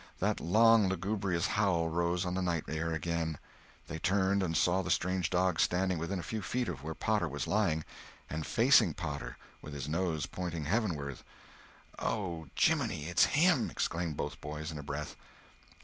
That long, lugubrious howl rose on the night air again! They turned and saw the strange dog standing within a few feet of where Potter was lying, and facing Potter, with his nose pointing heavenward. "Oh, geeminy, it's him!" exclaimed both boys, in a breath.